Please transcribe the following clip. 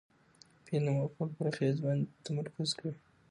فعل د مفعول پر اغېز باندي تمرکز کوي.